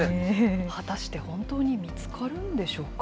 果たして本当に見つかるんでしょうか。